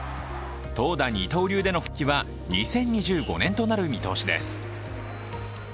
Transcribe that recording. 投打二刀流での復帰は２０２５年となる見通しです